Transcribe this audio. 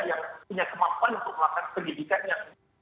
yang punya kemampuan untuk melakukan penyidikannya